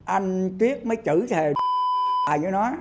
anh triết mới chửi thề đ lại với nó